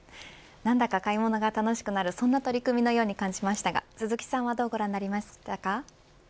何だか買い物が楽しくなるそんな取り組みのように感じましたが鈴木さんはどうご覧になりましたか。